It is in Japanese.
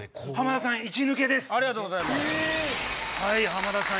浜田さん